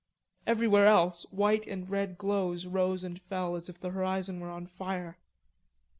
Everywhere else white and red glows rose and fell as if the horizon were on fire.